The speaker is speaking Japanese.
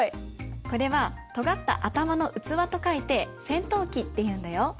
これは尖った頭の器と書いて尖頭器っていうんだよ。